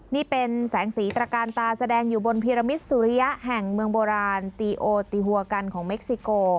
นี่เป็นแสงสีตระการตาแสดงอยู่บนพิรมิตสุริยะแห่งเมืองโบราณตีโอตีหัวกันของเม็กซิโก